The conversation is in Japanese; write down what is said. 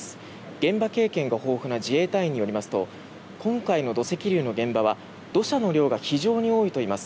現場経験が豊富な自衛隊員によりますと今回の土石流の現場は土砂の量が非常に多いといいます。